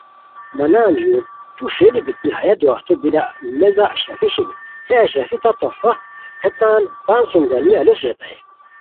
، مہ نان ژور تو ݰئیلی بیتی ہیہ دواہتو بیلہ میزہ اشرفی شینی ہے اشرفی تہ تخفہ ہیتان تان سوم گانی الوس ریتائے